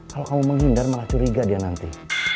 kalau kamu menghindar malah curiga dia nanti